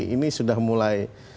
ini sudah mulai